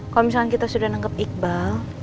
kalau misalnya kita sudah menangkap iqbal